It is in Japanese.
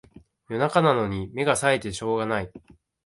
夜中なのに目がさえてしょうがない